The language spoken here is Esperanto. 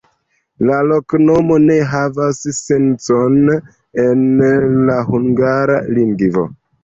La loknomo ne havas sencon en la hungara lingvo.